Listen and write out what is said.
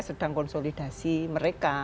sedang konsolidasi mereka